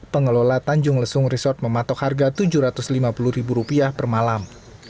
pengelola tanjung lesung resort mematok harga rp tujuh ratus lima puluh per malam